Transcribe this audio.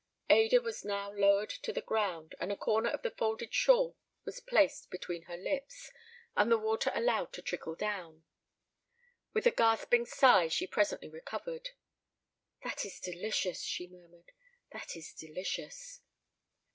Ada was now lowered to the ground, and a corner of the folded shawl was placed between her lips, and the water allowed to trickle down. With a gasping sigh she presently recovered. "That is delicious," she murmured. "That is delicious."